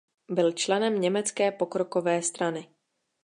Byl členem Německé pokrokové strany.